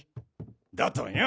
だとよ。